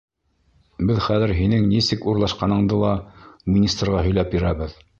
Беҙ хәҙер һинең нисек урлашҡаныңды ла министрға һөйләп бирәбеҙ!